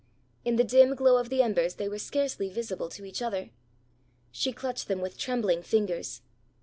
In the dim glow of the embers they were scarcely visible to each other. She clutched them with trembling fingers.